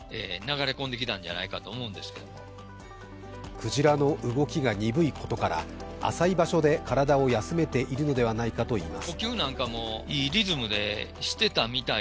クジラの動きが鈍いことから、浅い場所で体を休めているのではないかといいます。